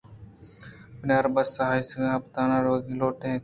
بناربس ءَہیسکءُہمپان روگ لوٹیت